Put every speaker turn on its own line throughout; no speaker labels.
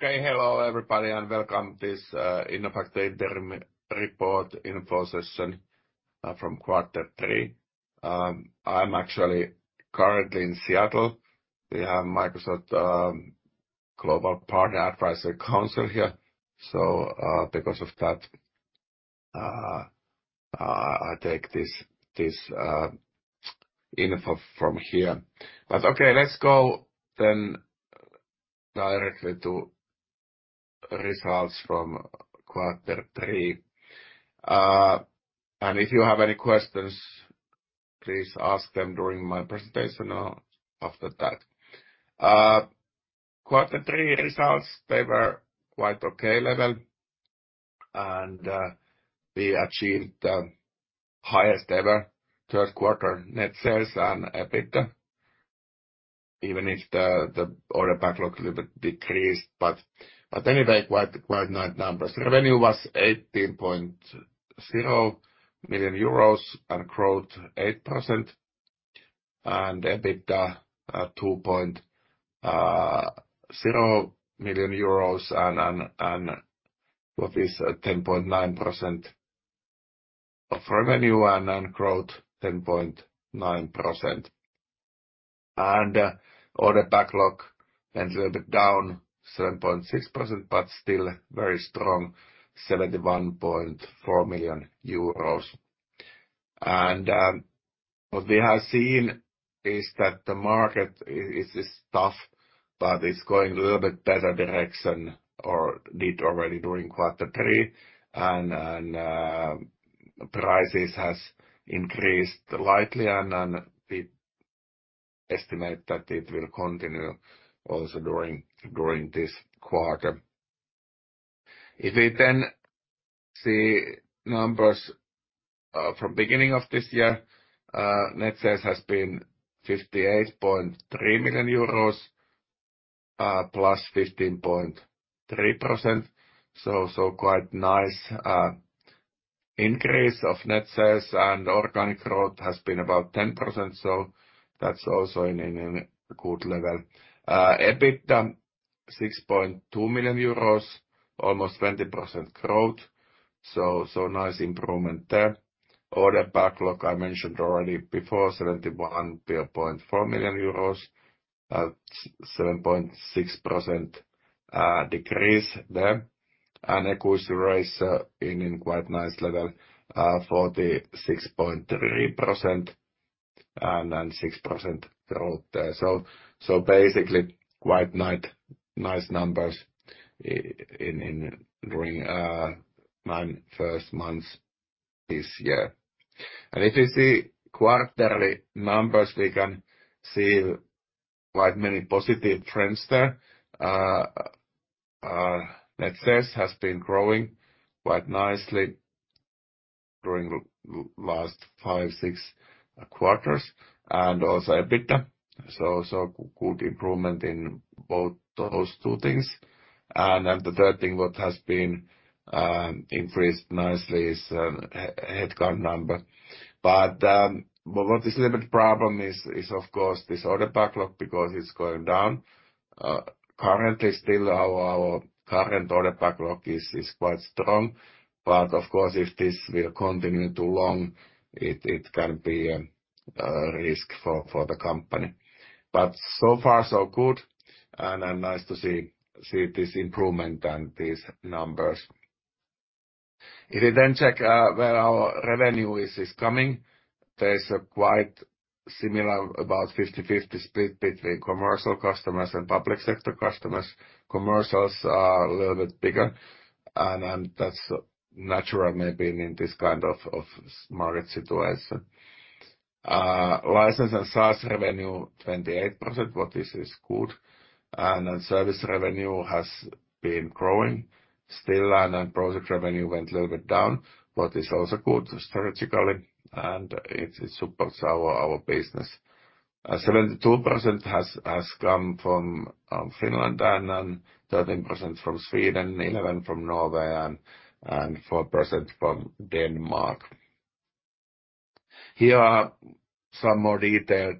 Okay, hello, everybody, and welcome this Innofactor interim report info session from quarter three. I'm actually currently in Seattle. We have Microsoft Global Partner Advisory Council here. So because of that, I take this info from here. But okay, let's go then directly to results from quarter three. If you have any questions, please ask them during my presentation or after that. Quarter three results, they were quite okay level, and we achieved the highest ever third quarter net sales and EBITDA, even if the order backlog little bit decreased. But anyway, quite nice numbers. Revenue was 18.0 million euros and growth 8%, and EBITDA 2.0 million euros, and what is 10.9% of revenue and growth 10.9%. Order backlog went a little bit down 7.6%, but still very strong, 71.4 million euros. What we have seen is that the market is tough, but it's going a little bit better direction or did already during quarter three. Prices has increased lightly, and we estimate that it will continue also during this quarter. If we then see numbers from beginning of this year, net sales has been 58.3 million euros, +15.3%. So quite nice increase of net sales, and organic growth has been about 10%, so that's also in a good level. EBITDA, 6.2 million euros, almost 20% growth, so nice improvement there. Order backlog, I mentioned already before, 71.4 million euros, at 7.6% decrease there. And equity ratio in quite nice level, 46.3%, and then 6% growth there. So basically, quite nice numbers in during first nine months this year. And if you see quarterly numbers, we can see quite many positive trends there. Net sales has been growing quite nicely during the last five, six quarters, and also EBITDA, so good improvement in both those two things. And then the third thing what has been increased nicely is headcount number. But what is a little bit problem is of course this order backlog, because it's going down. Currently, still our current order backlog is quite strong. But of course, if this will continue too long, it can be a risk for the company. But so far, so good, and nice to see this improvement and these numbers. If we then check where our revenue is coming, there's a quite similar, about 50/50 split between commercial customers and public sector customers. Commercials are a little bit bigger, and that's natural, maybe, in this kind of market situation. License and SaaS revenue, 28%, what is good. And then service revenue has been growing still, and then project revenue went a little bit down, what is also good strategically, and it supports our business. 72% has come from Finland, and 13% from Sweden, 11% from Norway, and 4% from Denmark. Here are some more detailed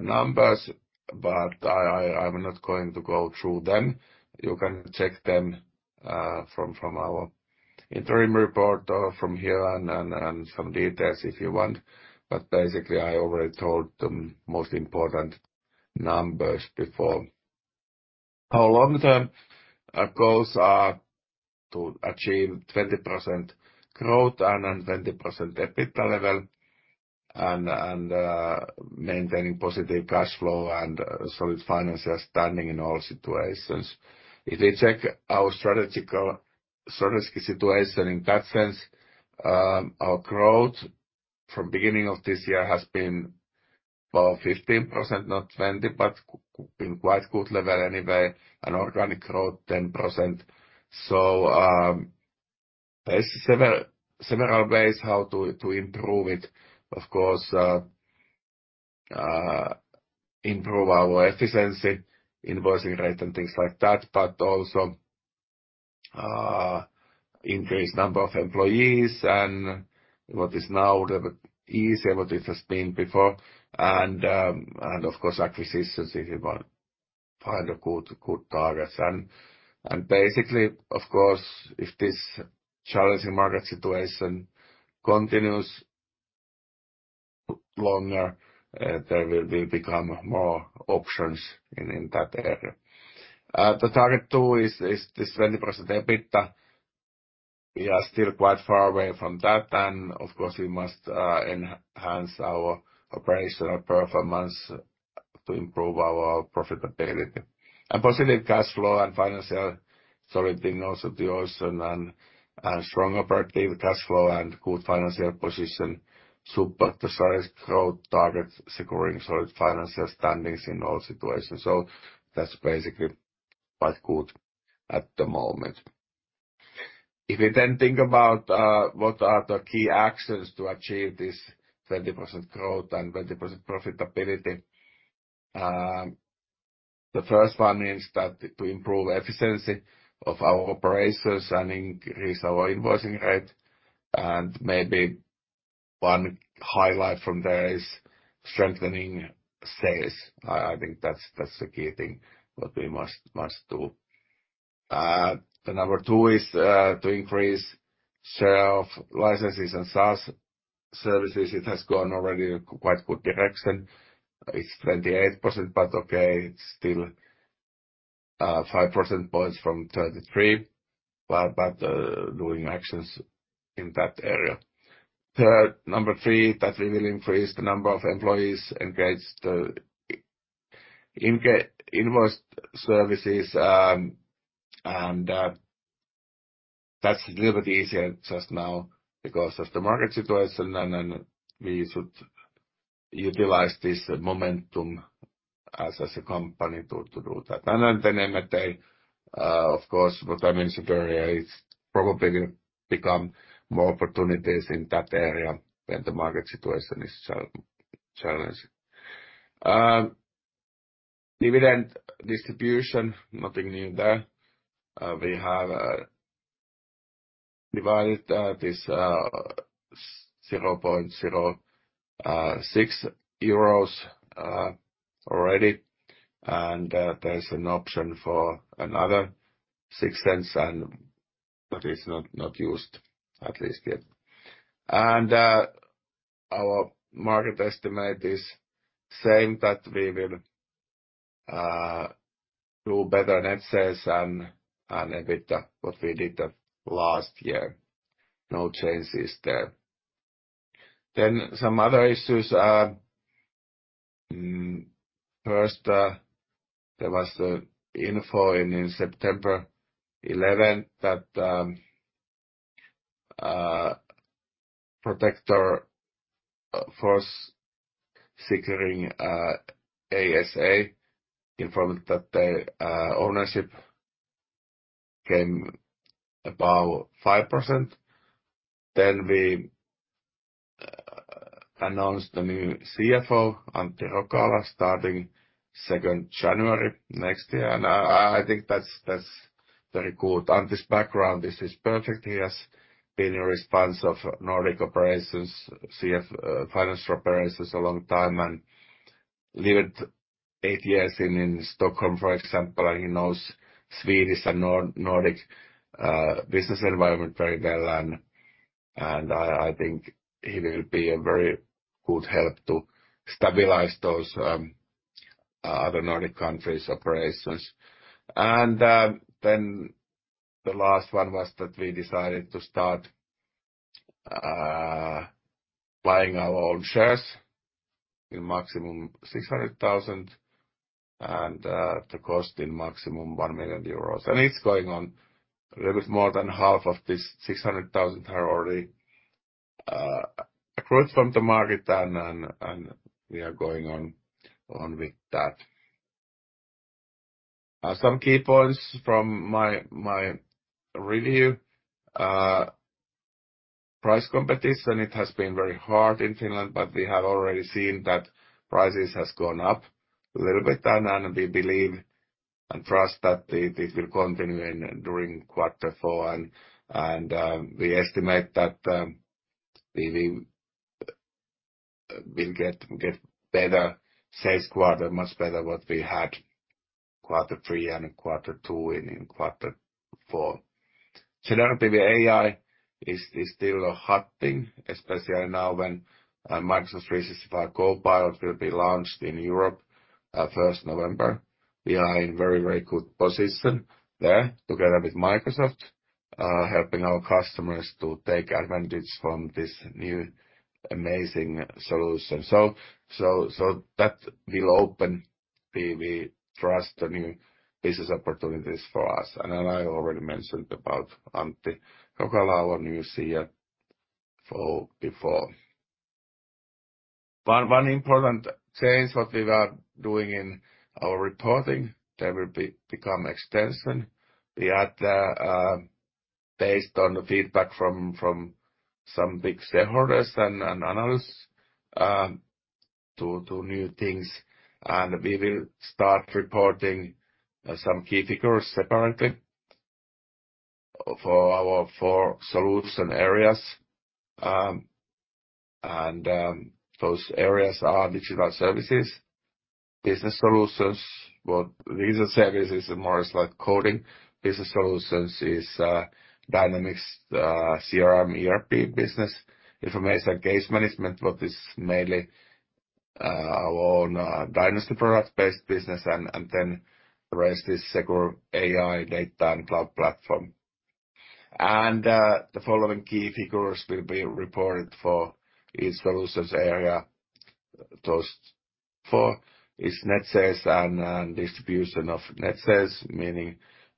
numbers, but I'm not going to go through them. You can check them from our interim report or from here, and some details if you want. But basically, I already told the most important numbers before. Our long-term goals are to achieve 20% growth and 20% EBITDA level, and maintaining positive cash flow and solid financial standing in all situations. If we check our strategic situation in that sense, our growth from beginning of this year has been about 15%, not 20, but been quite good level anyway, and organic growth 10%. So, there's several ways how to improve it. Of course, improve our efficiency, invoicing rate, and things like that, but also increase number of employees and what is now a little bit easier what it has been before. And of course, acquisitions, if you want, find good targets. And basically, of course, if this challenging market situation continues longer, there will become more options in that area. The target too is this 20% EBITDA. We are still quite far away from that, and of course, we must enhance our operational performance to improve our profitability. And positive cash flow and financial solidity and also the cushion and strong operating cash flow and good financial position support the solid growth targets, securing solid financial standings in all situations. So that's basically quite good at the moment. If you then think about what are the key actions to achieve this 20% growth and 20% profitability, the first one is that to improve efficiency of our operations and increase our invoicing rate, and maybe one highlight from there is strengthening sales. I think that's the key thing that we must do. The number two is to increase sale of licenses and SaaS services. It has gone already a quite good direction. It's 28%, but okay, it's still 5 percentage points from 33, but doing actions in that area. Third, number three, that we will increase the number of employees, engage invoiced services, and that's a little bit easier just now because of the market situation, and then we should utilize this momentum as a company to do that. And then, M&A, of course, what I mentioned earlier, it's probably become more opportunities in that area when the market situation is challenged. Dividend distribution, nothing new there. We have divided this 0.06 euros already, and there's an option for another 0.06, and that is not used, at least yet. And our market estimate is saying that we will do better net sales and EBITDA what we did the last year. No changes there. Then some other issues, first, there was the info in September 11 that Protector Forsikring ASA informed that their ownership came about 5%. Then we announced the new CFO, Antti Rokala, starting 2nd January next year. And I think that's very good. Antti's background, this is perfect. He has been responsible for Nordic operations, CFO financial operations a long time, and lived eight years in Stockholm, for example, and he knows Swedish and Nordic business environment very well. I think he will be a very good help to stabilize those other Nordic countries operations. Then the last one was that we decided to start buying our own shares up to a maximum of 600,000, and the cost up to a maximum of 1 million euros. It's going on. A little bit more than half of these 600,000 are already purchased from the market, and we are going on with that. Some key points from my review. Price competition, it has been very hard in Finland, but we have already seen that prices has gone up a little bit, and we believe and trust that it will continue during quarter four. We estimate that we will get better sales quarter, much better what we had quarter three and quarter two in quarter four. Generative AI is still a hot thing, especially now when Microsoft 365 Copilot will be launched in Europe first November. We are in very, very good position there together with Microsoft, helping our customers to take advantage from this new amazing solution. So that will open, we trust, the new business opportunities for us. And then I already mentioned about Antti Rokala, our new CFO, before. One important change what we are doing in our reporting, there will become extension. We add, based on the feedback from some big shareholders and analysts, to two new things, and we will start reporting some key figures separately for our four solution areas. Those areas are Digital Services, Business Solutions. Well, Digital Services is more like coding. Business Solutions is Dynamics, CRM, ERP business, Information Case Management, what is mainly our own Dynasty product-based business, and then the rest is Secure AI, Data, and Cloud Platform. The following key figures will be reported for each solutions area. Those four is net sales and distribution of net sales, meaning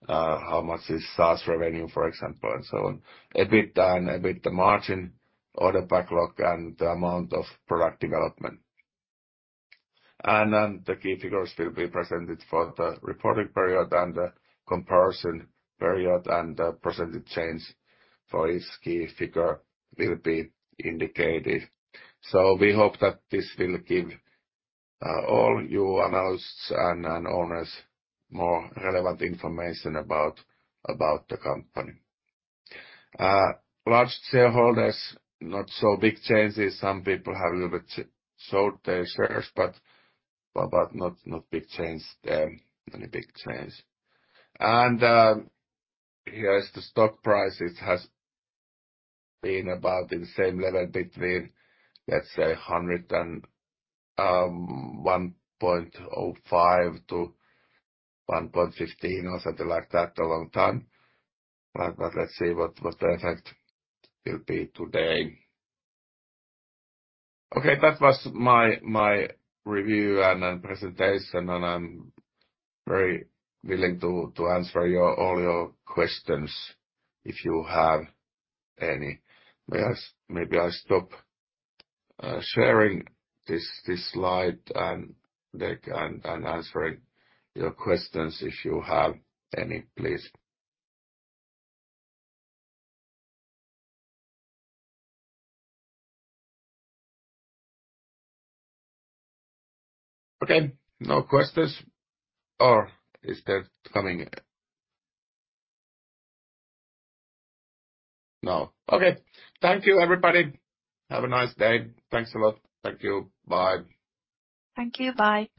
how much is SaaS revenue, for example, and so on. EBITDA and EBITDA margin, order backlog, and the amount of product development. The key figures will be presented for the reporting period and the comparison period, and the percentage change for each key figure will be indicated. We hope that this will give all you analysts and owners more relevant information about the company. Large shareholders, not so big changes. Some people have a little bit sold their shares, but not big change there, any big change. Here is the stock price. It has been about in the same level between, let's say, 100 and 1.05-1.15 or something like that, a long time. Let's see what the effect will be today. That was my review and then presentation, and I'm very willing to answer all your questions, if you have any. Yes, maybe I stop sharing this, this slide and the... and answering your questions if you have any, please. Okay, no questions? Or is there coming in? No. Okay. Thank you, everybody. Have a nice day. Thanks a lot. Thank you. Bye.
Thank you. Bye.